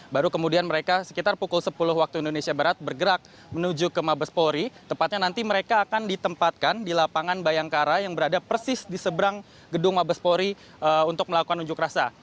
baru kemudian mereka sekitar pukul sepuluh waktu indonesia barat bergerak menuju ke mabes polri tepatnya nanti mereka akan ditempatkan di lapangan bayangkara yang berada persis di seberang gedung mabespori untuk melakukan unjuk rasa